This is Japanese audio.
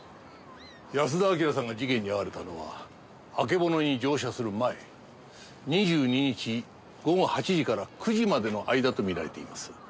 安田章さんが事件に遭われたのはあけぼのに乗車する前２２日午後８時から９時までの間と見られています。